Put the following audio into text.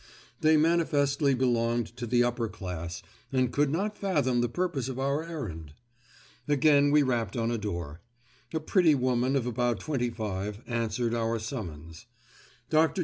They manifestly belonged to the upper class and could not fathom the purpose of our errand. Again we rapped on a door. A pretty woman of about twenty five, answered our summons. Dr.